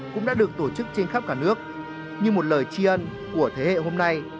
cũng đã được tổ chức trên khắp cả nước như một lời tri ân của thế hệ hôm nay